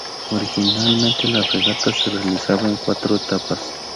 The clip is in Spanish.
Originalmente la regata se realizaba en cuatro etapas.